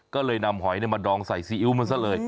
ก็เลยนำหอยมาดองใส่ซีอิ๊วมันซะเลย